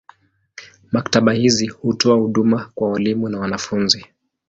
Maktaba hizi hutoa huduma kwa walimu na wanafunzi.